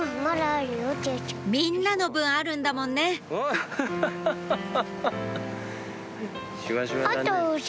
みんなの分あるんだもんねハハハハハ！